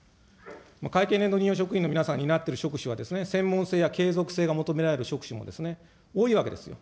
会計年度任用職員の皆さんが担ってる職種は、専門性や継続性が求められる職種も多いわけですよ。